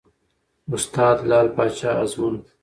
استاد : لعل پاچا ازمون